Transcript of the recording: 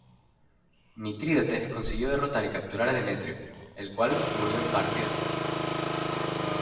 Mitrídates consiguió derrotar y capturar a Demetrio, el cual murió en Partia.